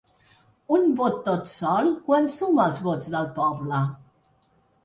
Un vot tot sol quan suma els vots del poble?